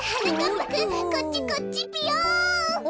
ぱくんこっちこっちぴよん。